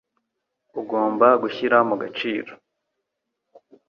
Ugomba gushyira mu gaciro